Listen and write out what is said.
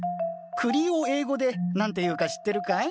くりを英語で何て言うか知ってるかい？